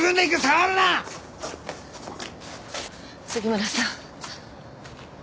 杉村さん。